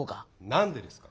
何でですか。